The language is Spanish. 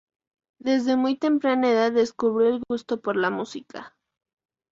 Desde muy temprana edad descubrió el gusto por la música.